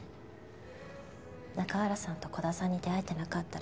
中原さんと鼓田さんに出会えてなかったら。